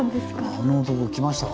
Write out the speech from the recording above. あの男来ましたか。